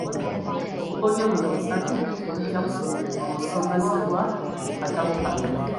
Obukodyo buno obusatu tebujja kusomesebwa mu katabo kano.!